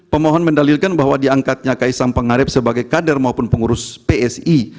pemohon mendalilkan bahwa diangkatnya kaisang pengarip sebagai kader maupun pengurus psi